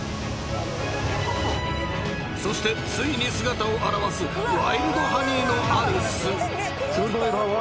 ［そしてついに姿を現すワイルドハニーのある巣］